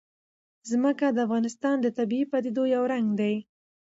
ځمکه د افغانستان د طبیعي پدیدو یو رنګ دی.